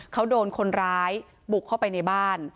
เขาโดนคนร้ายบุกเข้าไปในบ้าน